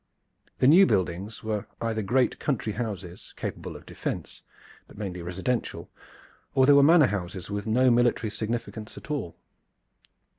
The new buildings were either great country houses, capable of defense, but mainly residential, or they were manor houses with no military significance at all.